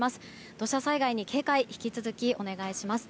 土砂災害に警戒引き続きお願いします。